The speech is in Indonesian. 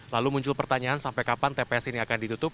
lalu muncul pertanyaan sampai kapan tps ini akan ditutup